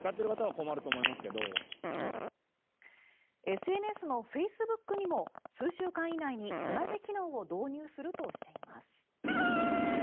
ＳＮＳのフェイスブックにも数週間以内に同じ機能を導入するとしています。